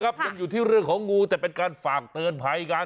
ยังอยู่ที่เรื่องของงูแต่เป็นการฝากเตือนภัยกัน